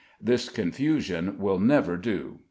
This confusion will never do.